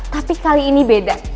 tapi kali ini beda